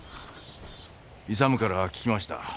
勇から聞きました。